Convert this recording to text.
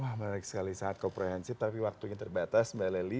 wah menarik sekali sangat komprehensif tapi waktunya terbatas mbak lely